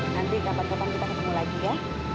nanti kapan kapan kita ketemu lagi ya